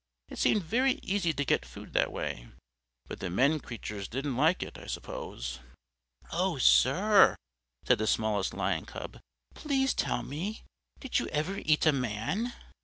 It seemed very easy to get food that way, but the men creatures didn't like it, I suppose." "Oh, sir," said the smallest Lion Cub, "please tell me, did you ever eat a man?"